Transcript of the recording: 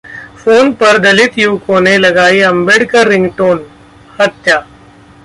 phone पर दलित युवक ने लगाई अंबेडकर रिंगटोन, हत्या